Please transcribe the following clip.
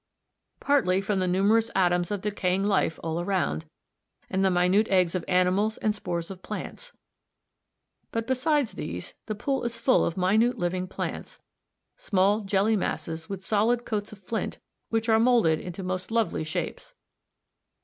Partly from the numerous atoms of decaying life all around, and the minute eggs of animals and spores of plants; but besides these, the pool is full of minute living plants small jelly masses with solid coats of flint which are moulded into most lovely shapes.